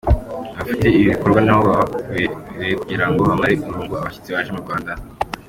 Abafite ibi bikorwa nabo baba babukereye kugira ngo bamare irungu abashyitsi baje mu Rwanda.